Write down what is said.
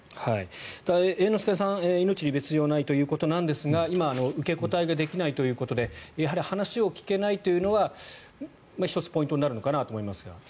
猿之助さんは命に別条はないということですが今、受け答えができないということでやはり、話を聞けないというのは１つポイントになるのかなと思いますが。